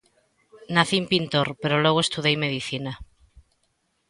Nacín pintor pero logo estudei Medicina.